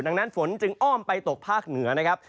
ดังนั้นฝนจึงอ้อมไปตกภาคเหนือนะครับ